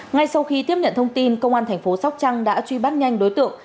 ngay sau khi tiếp nhận thông tin công an thành phố sóc trăng đã truy bắt nhanh đối tượng